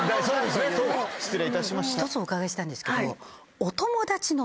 １つお伺いしたいんですけど。